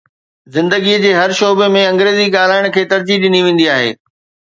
زندگيءَ جي هر شعبي ۾ انگريزي ڳالهائڻ کي ترجيح ڏني ويندي آهي